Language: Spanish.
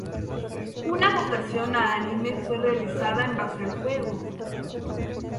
Una adaptación a anime fue realizada en base al juego.